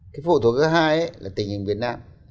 cái phụ thuộc thứ hai là tình hình việt nam